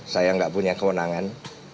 saya enggak punya kewenangan